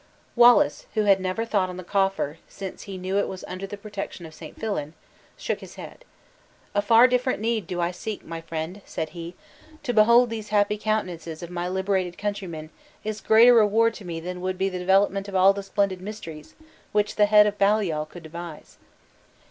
Wallace, who had never thought on the coffer, since he knew it was under the protection of St. Fillan, shook his head. "A far different need do I seek, my friend!" said he; "to behold these happy countenances of my liberated countrymen is greater reward to me than would be the development of all the splendid mysteries which the head of Baliol could devise."